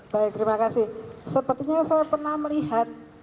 baik terima kasih sepertinya saya pernah melihat